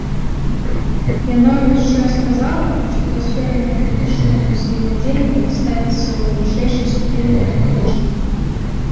Яна ўвесь час казала, што да сферы энергетычнага ўзаемадзеяння ставіцца ў вышэйшай ступені прагматычна.